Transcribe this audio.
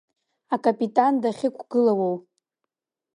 Акапитан дахьықәгылауоу?